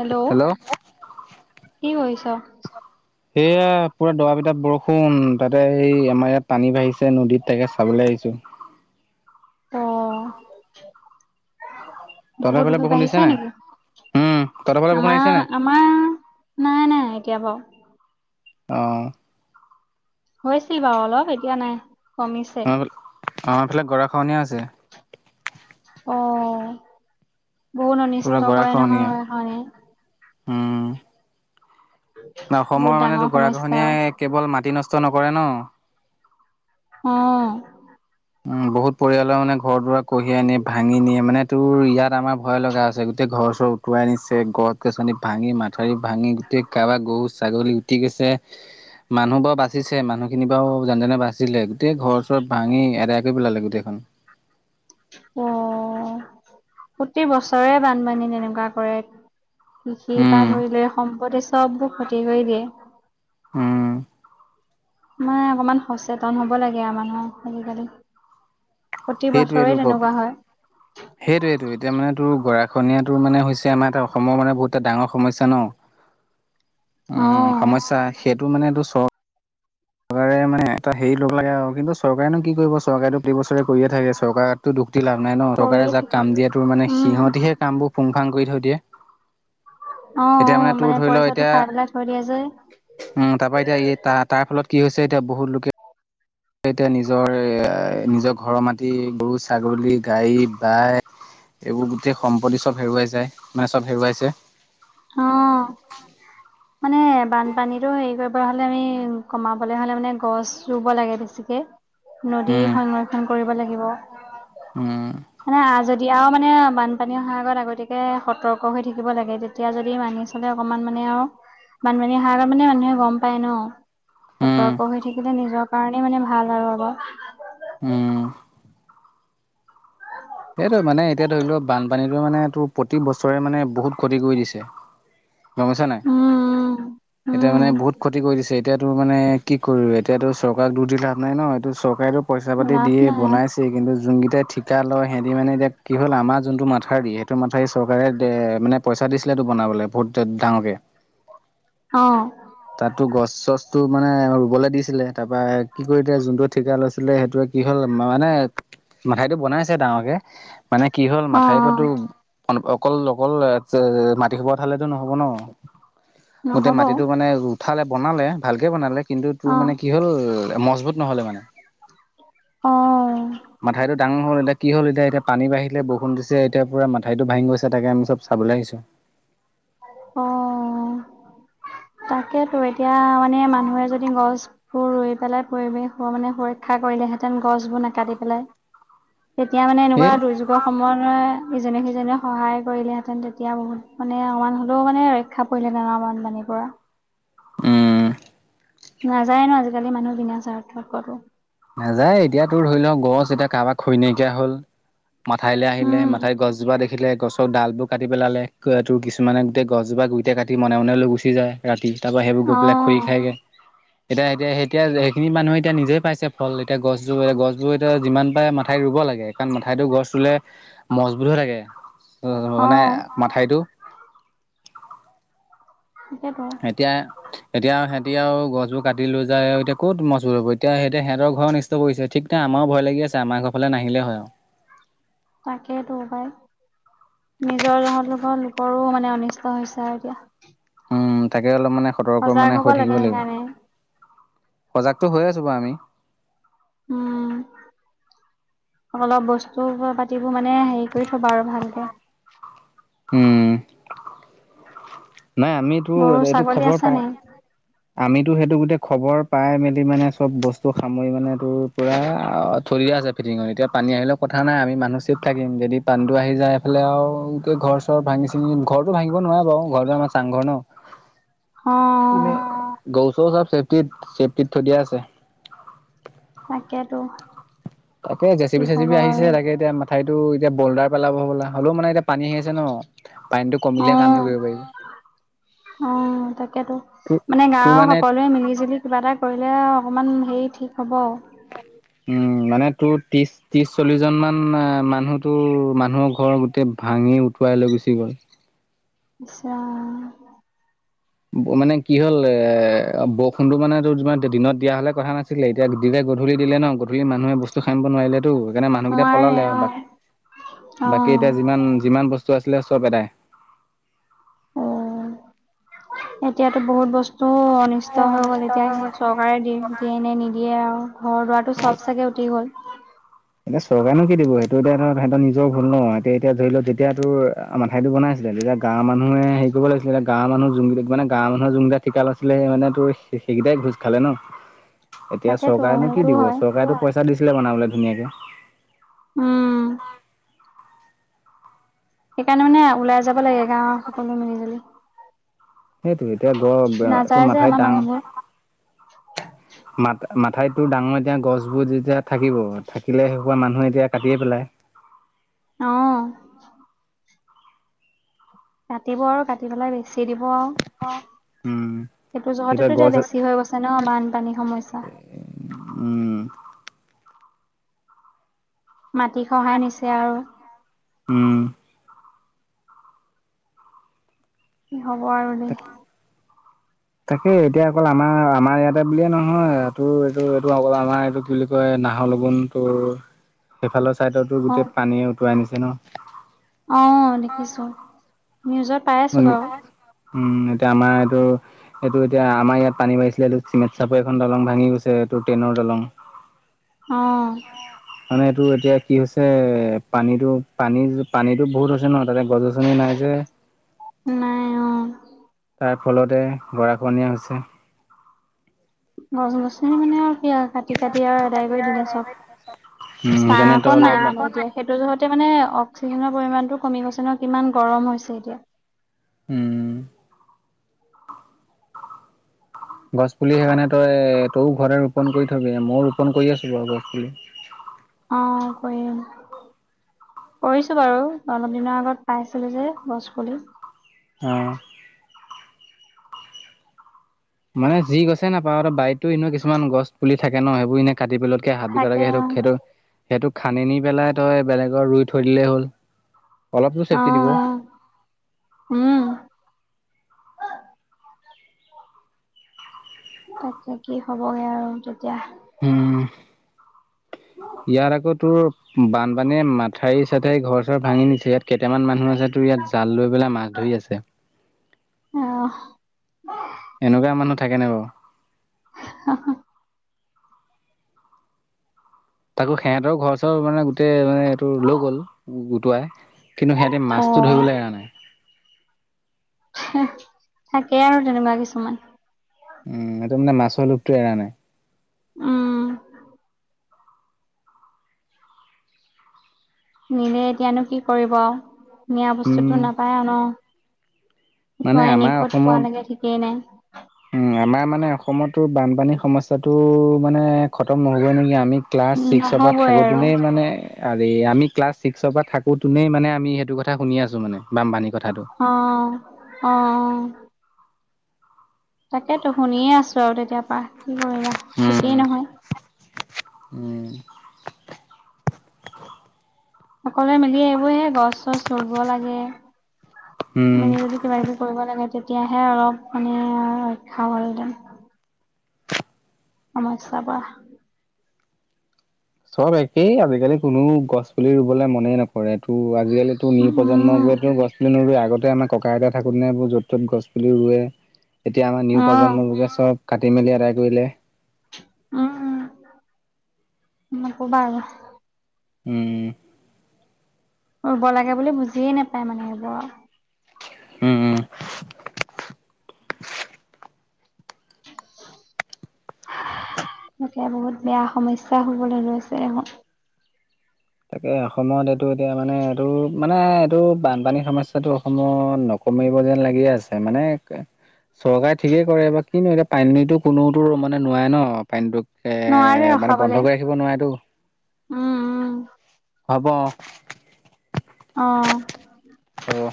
Hello কি কৰিছ? সেয়া পুৰা দৰা পিটাত বৰষুণ তাতে সেই আমাৰ ইয়াত পানী বাঢ়িছে নদীত তাকে চাবলৈ আহিছো অঁ তহঁতৰ বহুত ফালে সোত বৰষুণ দিছে বাঢ়িছে নাই? নেকি? উম, তহঁতৰ ফালে বৰষুণ আহিছে আমাৰ নাই? আমাৰ নাই নাই এতিয়া বাৰু আহ হৈছিল বাৰু অলপ এতিয়া নাই কমিছে অ আমাৰ ফালে গৰা খনীয়া আছে। অ বহুত অনিষ্ট কৰে নহয় হয়। অ। ন বহুত অসমৰ মানে ডাঙৰ গৰা সমস্যা খহনীয়াই কেৱল মাটি নষ্ট নকৰে ন, - অ উম বহুত পৰিয়ালৰ মানে ঘৰ দুৱাৰ কঢ়িয়াই নি ভাঙি নিয়ে মানে তোৰ ইয়াত আমাৰ ভয় লগা আছে গোটেই ঘৰ চৰ উতুৱাই নিছে গছ গছনি ভাঙি মা মঠাৰি ভাঙি গোটেই কাবা গৰু ছাগলী উটি গৈছে মানুহ বাৰু বাচিছে মানুহখিনি বাৰু যেনে যেনে বাচিলে গোটেই ঘৰ চৰত ভাঙি এদাই কৰি পেলালে গোটেইখন। অ প্ৰতি বছৰে বানপানী তেনেকুৱা কৰে। কৃষি পা উম ধৰি লৈ সম্পত্তি চববোৰ ক্ষতি কৰি দিয়ে উম মানে অকমান সচেতন হ'ব লাগে আও মানুহৰ আজিকালি। প্ৰতি বছৰে সেইটোৱেটো তেনেকুৱা হয় সেইটোইটো এতিয়া মানে ত গৰাখননীয়া তোৰ মানে হৈছে আমাৰ এ অসমৰ মানে বহুতটা ডাঙৰ সমস্যা ন। অ উম সমস্যা সেইটো মানেটো চব চৰকাৰে মানে এটা হেৰি লগ লাগে আও কিন্তু চৰকাৰে নো কি কৰিব চৰকাৰেটো প্ৰতি বছৰে কৰিয়ে থাকে চৰকাৰো দুখ দি লাভ নাই ন, চকাৰে কৰিয়ে যাক থাকে কাম দিয়াতো মানে উম, সিহঁতিহে সেই কামবোৰ পুংফাং কৰি থৈ দিয়ে। অ এতিয়া অ তোৰ মানে ধৰি ল পইচাটো এতিয়া খাই পেলাই থৈ দিয়ে যে। উম তাৰ পৰা এতিয়া এই তাৰ তাৰ ফলত কি হৈছে এতিয়া বহুত লোকে এতিয়া নিজৰ নিজৰ ঘৰৰ মাটি গৰু ছাগলী গাড়ী বাই এইবোৰ গোটেই সম্পত্তি চব হেৰুৱাই যায় মানে চব হেৰুৱাইছে। অ। মানে বানপানীটো হেৰি কৰিব হ'লে আমি কমাবলে হলে মানে গছ ৰুব লাগে বেছিকে। নদী উম সংৰক্ষণ কৰিব লাগিব। উম। এতিয়াও মানে বানপানী অহাৰ আগত আগতীয়াকে সতৰ্ক হৈ থাকিব লাগে তে এতিয়া যদি মানি চলে অকমান মানে আও, বানপানী সাৰ মানে মানুহে গম পায় ন। উম সতৰ্ক হৈ থাকিলে নিজৰ কাৰণেই মানে ভাল আৰু অলপ। উম। সেইটো মানে এতিয়া ধৰি লওক, বানপানীটো মানে তোৰ প্ৰতি বছৰে মানে বহুত ক্ষতি কৰি দিছে। গম পাইছা নাই? উম, উম। এতিয়া মানে বহুত উম ক্ষতি কৰি দিছে এতিয়া তোৰ মানে কি কৰি এতিয়াতো চৰকাৰক দুখ দি লাভ নাই ন, এইটো চৰকাৰেতো পইচা পাতি লাভ দিয়ে নাই বনাইছে কিন্তু যোন ঠিকা লয় মাথা দি সেইটো মাথাৰি চৰকাৰে মানে পইচা দিছিলেতো বনাবলে বহুত ডাঙৰকে অ। তাতো গছ চছ টো মানে ৰুবলে দিছিলে, তাৰ পৰা কি কৰি এতিয়া যোনটোৱে ঠিকা লৈছিলে সেইটোৱে কি হ'ল মানে মাথাইটো বনাইছে ডাঙৰকে মানে কি হ'ল অ', মাথাইৰ অ', পাতো অকল অকল মাটি খোবা ওঠালতো নহ'ব ন গোটেই নহ'ব। মাটিটো মানে উঠালে বনালে ভালকে বনালে কিন্তু তোৰ মানে অ', কি হ'ল মজবুত নহ'লে মানে। অ। মাথাউৰিটো ডাঙৰ হল এতিয়া কি হ'ল এতিয়া পানী বাঢ়িলে বৰষুন দিচে এতিয়া পোৰা মাথাউৰি টো ভাঙি গৈছে তাকে আমি চব চাবলে আহিছো। অ। তাকেইেতো এতিয়া মানে মানুহে যদি গছবোৰ ৰুই পেলাই পৰিৱেশ মানে সুৰক্ষ আশা কৰিলেহেঁতেন গছবোৰ নাকাটি পেলাই তেতিয়া মানে এই এনেকুৱা দুৰ্যোগৰ সময়ত ইজনে সিজনে সহায় কৰিলেহেতেন তেতিয়া বহুত মানে আমান হ'লেও মানে ৰক্ষা পৰিলে নান বানপানীৰ পৰা। উম্। নাযায় ন আজিকালি মানুহ বিনা স্বাৰ্থত কলো নাযায় এতিয়া তোৰ ধৰি ল গছ এতিয়া কাৰোবা খৈ নাইকিয়া হল মাথাইলৈ আহিলে উম, মাথাইৰ গছজোপা দেখিলে গছৰ ডালবোৰ কাটি পেলালে তোৰ কিছুমানে গোটেই গছজোপা গুইতে কাটি মনে মনে লৈ গুচি যায় ৰাতি তাৰ পৰাা সেইবোৰ গৈ পেলাই খৰি অ', খাইগে এতিয়া এতিয়া এতিয়া সেইখিনি মানুহে এতিয়া নিজে পাইছে ফল এতিয়া গছবো এ গছবোৰ এতিয়া যিমান পাৰে মাথাই ৰুব লাগে কাৰণ মাাইটো গছ ৰুলে মছবো হৈ থাকে মানে অ', মাথাইটো তাকেতো এতিয়া এতিয়া এতিয়া আৰু গছবোৰ কাটি লৈ যায় এতিয়া কত মছবোত হব এতিয়া সিহঁতে সিহতৰ ঘৰ অনিষ্ট কৰিছে ঠিক নাই আমাৰো ভয় লাগে। ছে আমাৰ ঘৰ ফালে নাহিলে হয় আৰু তাকেই তো পাই নিজৰ [unintelligible] লোকৰো মানে অনিষ্ট হৈছে আৰু এতিয়া উম তাকে অলপ মানে সতৰ্ক সজাগ মানে হ'ব হৈ লাগে থাকিব লাগিব সেইকাৰণে। সজাগতটো হৈ আছো বা আমি উম অলপ বস্তু পাতিবোৰ মানে হেৰি কৰি থবা আৰু ভালকে উম নাই আমিতো গৰু এইটো ছাগলী খবৰ আছে পা নাই? আমি টো সেইটো গোটেই খবৰ পাই মেলি মানে চব বস্তু সামৰি মানে তোৰ পৰা থৈ দিয়া আছে তিঙত এতিয়া পানী আহিলেও কথা নাই আমি মানুহ চেফ থাকিম যদি পানীটো আহি যায় এইফালে আৰু ঘৰ চৰ ভাঙি চিঙি ঘৰতো ভাঙিব নোৱাৰে বাৰু ঘৰটো আমাৰ চাংঘৰ ন। অ', এনে গৰু চৌ চব চেফটিত চেফটিত থৈ দিয়া আছে। তাকেটো তাকে জেচিপি চেচিপি আহিছে তাকে এতিয়া মাথাইত এইটো এতিয়া বলডাৰ পেলাব হ'বলা হলেও মানে এতিয়া পানী আহি আছে ন টো কমিলে কামটো অ', কৰিব পাৰিব অ তাকেতো তোৰ মানে তোৰ গাৱৰ মানে সকলোৱে মিলি জুলি কিবা এটা কৰি লে অকমান হেই ঠিক হ'ব উম মানে তোৰ ত্ৰিশ ত্ৰিশ চল্লিশ জন মান মানুহ তোৰ মানুহৰ ঘৰৰ গোটেই ভাং ভাঙি উটুৱাই লৈ গুচি গ'ল আচ্ছা মানে কি হ'ল এ বষুণটো মানে তোৰ দিনত দিয়া হলে কথা নাছিলে এতিয়া গধূলি দিলে ন গধূলি মানুহে বস্তু নোৱাৰিলেতো সেইকাৰণে মানুহকেইটা নোৱাৰে পলালে আৰু অ', বাকি অ', এতিয়া যিমান যিমান বস্তু আছিলে চব এদাই অ এতিয়াতো বহুত বস্তু টো অনিষ্ট হৈ গ'ল এতিয়া সে চৰকাৰে দিয়ে দিয়ে এনে নিদিয়ে আৰু ঘৰ দুৱাৰটো চব চাগে উটি গ'ল এতিয়া চৰকাৰেনো কি দিব সেইটো এতিয়া ধৰ সিহতৰ নিজৰ ভুল ন এতিয়া এতিয়া ধৰি লও যেতিয়া তোৰ মাথাইটো বনাইছিলে এতিয়া গাৱৰ মানুহে হেৰি কৰিব লাগিছিলে এতিয়া গাঁৱ মানুহ জোন মানে গাঁৱ মানুহগেটা ঠিকা লৈছিলে মানে তেই বেগ ঘোষ খালে ন [unintelligible] [unintelligible] [inaudible] এতিয়া তাকেতো চৰকাৰেনো কি সেইটোও দিব হয়, চৰকাৰেতো পইচা দিছিলে বনাবলৈ ধুনীয়াকে উম সেইকাৰণে মানে ওলাই যাব লাগে গাঁৱৰ সকলোৱে মিলি জুলি সেইটোৱে এতিয়া গ নাযায় যে মাথা আমাৰ দাং মানুহবোৰ মাথা মাথাৰিতো ডাঙৰ এতিয়া গছবোৰ যেতিয়া থাকিব থাকিলে হে সোপা মানুহে এতিয়া কাটিয়ে পেলাই অহ কাটিব আৰু কাটি পেলাই বেছি দিব আও উম সেইটো জহতেতো এতিয়া বেছি হৈ গৈছে ন বানপানীৰ সমস্যা উম মাটি খহাই নিছে আৰু উম কি হ'ব আৰু দে তাকে এতিয়া অকল আমাৰ আমাৰ ইয়াতে বুলিয়ে নহয় এইটো এইটো এইটো অকল আমাৰ এইটো কি বুলি কয় নাহৰ লগুন টোৰ সেইফালৰ চাইডতো অ গোটেই পানীয়ে উটুৱাই নিছে ন অ দেখিছো নিউজত পাই আছো বাৰু উম এতিয়া আমাৰ এইটো এইটো এতিয়া আমাৰ ইয়াত পানী বাঢ়িছিলেটো চিমেট চাপৰ এখন দলং ভাঙি গৈছে এইটো ট্ৰেইনৰ দলং অ মানে এইটো এতিয়া কি হৈছে এ পানীটো পানী পানীতো বহুত হৈছে ন তাতে গছ গছনি নাই যে তাকে নাই অ তাৰ ফলতে গৰা খহনীয়া হৈছে গছ গছনি মানে আৰু কাটি কাটি আৰু আদাই কৰি দিলে চব উম চাহ সেইকাৰণে তই অকণ নাই অলপ মানে এতিয়া সেইটো জহতে মানে অক্সিজেনৰ পৰিমানটো কমি গৈছে ন কিমান গৰম হৈছে এতিয়া উম গছ পুলি সেইকাৰণে তই তইও ঘৰতে ৰোপণ কৰি থবি মইও ৰোপন কৰি আছো বাৰু গছ পুলি অ কৰিম কৰিছো বাৰু অলপ দিনৰ আগত পাইছিলো যে গছ পুলি অ মানে যি গছে নাপাওঁ ত বাৰীতো এনেও কিছুমান গছ পুলি থাকে ন সেইবোৰ এনে কাটি পেলোৱাত কে হাবি কটা থাকে সেইটোক অ সেইটো সেইটোক খানে নি পেলাই তই বেলেগৰ ৰুই থৈ দিলেই হ'ল অলপতো অ চেফটি দিব। অ। উম তাকে কি হ'বগে আৰু তেতিয়া উম ইয়াত আকৌ তোৰ বানপানীয়ে মাথাউৰি চা এই ঘৰ চৰ ভাঙি নিছে ইয়াত কেইটামান মানুহ আছে তোৰ ইয়াত জাল লৈ পেলাই মাছ ধৰি আছে অ এনেকুৱা মানুহ থাকে নে বাৰু [unintelligible] তাকো সিহঁতৰ ঘৰচৰ মানে গোটেই মানে এইটো লৈ গ'ল উটোৱাই কিন্তু সিহঁতে অ মাছটো ধৰিবলৈ এৰা নাই থাকেই আৰু তেনেকুৱা কিছুমান উম সেইটো মানে মাছৰ লোভটো এৰা নাই উম নিলে এতিয়ানো কি কৰিব নিয়া উম বস্তুটো নাপায় ন মানে উটুৱাই নি আমাৰ ক'ত অসমত পোৱালেগে ঠিকেই নাই উম আমাৰ মানে অসমতো বানপানী সমস্যাটো মানে খতম নহ'বই নেকি আমি ক্লাছ ছিক্সৰ পৰা নহবই আৰু থাকোঁতেই মানে আৰে আমি ক্লাছ ছিক্সৰ পৰা থাকো তোনে মানে আমি সেইটো কথা শুনি আছো মানে বানপানী অ অ তাকেতো শুনিয়ে আছো আৰু তেতিয়াৰ পা কি কৰিবা উম, ঠিকেই নহয় উম সকলোৱে মিলি এইবোৰহে গছ চছ ৰুব লাগে উম, মিলি জোলি কিবা কিবি কৰিব লাগে তে তেতিয়াহে অলপ মানি ৰক্ষা হলহেঁতেন সমস্যা পৰা চব একেই আজিকালি কোনো গছ পুলি ৰুবলে মনেই নকৰে তো আজিকালিতো নি উম প্ৰজন্ম উম গছ পুলি নৰুোৱে আগতে আমাৰ ককা আইতা থাকোতে এইবোৰ য'ত ত'ত গছ পুলি ৰুৱে এতিয়া আমাৰ নিউ উম প্ৰজন্ম চব কাটি মেলি আদায় কৰিলে উম উ নকবা আৰু উম ব লাগে বুলি বুজিয়েইে নাপায় মানে এইব উম [unintelligible] [inaudible] এতিয়া বহুত বেয়া সমস্যা হবলৈ লৈছে দেখোন তাকে অসমত এইটো এতিয়া মানে এইটো মানে এইটো বানপানীৰ সমস্যাটো অসমত নকৰে কমিব যেন লাগিয়ে আছে মানে চৰকাৰে ঠিকেই কৰে বা কিনো এতিয়া পানীতো কোনোতো মানে নোৱাই ন পানীটো নোৱাৰে মানে ৰখাবলে বন্ধ কৰি ৰাখিব নোৱাৰে তো উম উম হ'ব অ অ